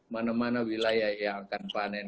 mana mana wilayah yang akan panen